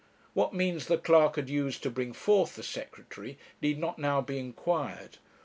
What means the clerk had used to bring forth the Secretary need not now be inquired.